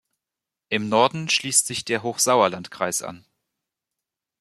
Im Norden schließt sich der Hochsauerlandkreis an.